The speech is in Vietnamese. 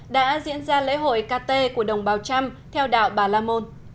đã diễn ra lễ hội kt của đồng bào trăm theo đạo bà lamôn